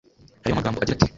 harimo amagambo agira ati